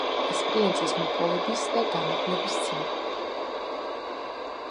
სპილენძის მოპოვების და გამოდნობის ცენტრი.